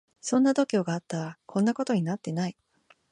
そんな度胸があったらこんなことになってない